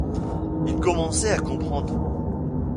Il commençait à comprendre.